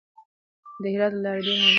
د هرات له لارې ډېر مالونه خراسان ته وړل کېدل.